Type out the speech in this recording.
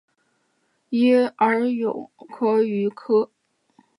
拟阿勇蛞蝓科。